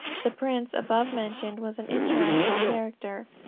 The prince above mentioned was an interesting character.